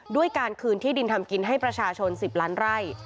ด้วยการคืนที่ดินทำกินให้ประชาชน๑๐ล้านไร่